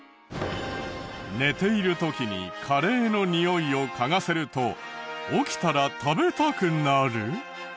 寝ている時にカレーのにおいを嗅がせると起きたら食べたくなる？